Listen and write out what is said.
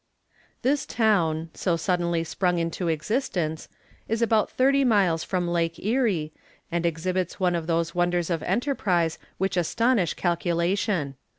This town, so suddenly sprung into existence, is about thirty miles from Lake Erie, and exhibits one of those wonders of enterprise which astonish calculation.